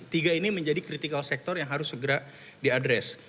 tiga ini menjadi critical sector yang harus segera diadres